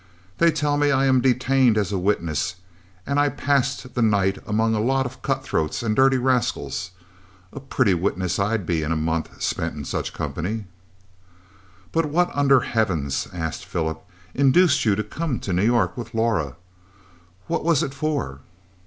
"They tell me I am detained as a witness, and I passed the night among a lot of cut throats and dirty rascals a pretty witness I'd be in a month spent in such company." "But what under heavens," asked Philip, "induced you to come to New York with Laura! What was it for?"